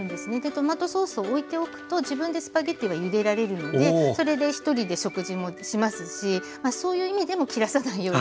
トマトソースをおいておくと自分でスパゲッティはゆでられるのでそれで１人で食事もしますしそういう意味でも切らさないようにしています。